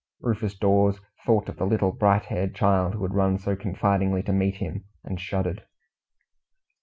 Rufus Dawes thought of the little bright haired child who had run so confidingly to meet him, and shuddered.